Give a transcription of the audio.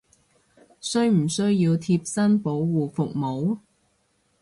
需唔需要貼身保護服務！？